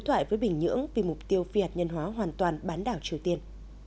thoại với bình nhưỡng vì mục tiêu phi hạt nhân hóa hoàn toàn bán đảo triều tiên